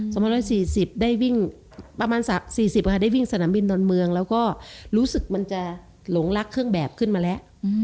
สองร้อยสี่สิบได้วิ่งประมาณสักสี่สิบค่ะได้วิ่งสนามบินดอนเมืองแล้วก็รู้สึกมันจะหลงรักเครื่องแบบขึ้นมาแล้ว